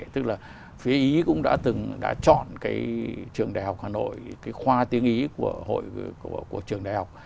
tức là phía ý cũng đã từng đã chọn cái trường đại học hà nội cái khoa tiếng ý của trường đại học